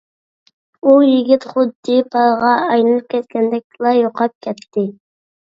ئۇ يىگىت خۇددى پارغا ئايلىنىپ كەتكەندەكلا يوقاپ كەتتى.